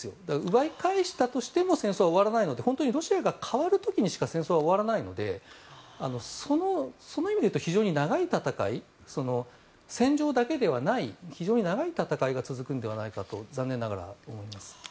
奪い返したとしても戦争は終わらないので本当にロシアが変わる時にしか戦争は終わらないのでその意味でいうと非常に長い戦い戦場だけではない非常に長い戦いが続くのではないかと残念ながら思います。